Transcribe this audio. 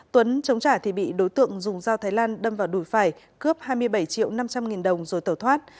tuấn chống trả thì bị đối tượng dùng dao thái lan đâm vào đùi phải cướp hai mươi bảy triệu năm trăm linh nghìn đồng rồi tẩu thoát